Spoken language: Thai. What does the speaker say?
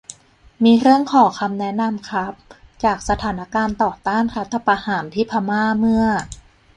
มีเรื่องขอคำแนะนำครับ จากสถานการณ์ต่อต้านรัฐประหารที่พม่า เมื่อ